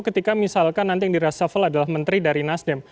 ketika misalkan nanti yang di reshuffle adalah menteri dari nasdem